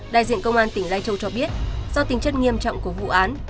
đại diện công an tỉnh lai châu cho biết do tính chất nghiêm trọng của vụ án